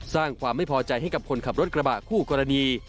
สร้างความไม่พอใจให้กับคนขับรถกระบะคู่กรณี